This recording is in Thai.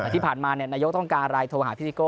แต่ที่ผ่านมานายกต้องการอะไรโทรหาพี่นิโก้